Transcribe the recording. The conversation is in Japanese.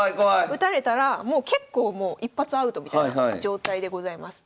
打たれたらもう結構もう一発アウトみたいな状態でございます。